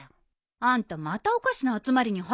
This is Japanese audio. あんたまたおかしな集まりに入ったの？